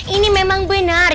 ini memang benar